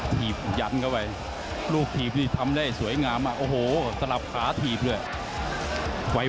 ถีบยันเข้าไปลูกถีบนี่ทำได้สวยงามมากโอ้โหสลับขาถีบเลย